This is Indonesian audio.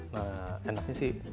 nah enaknya sih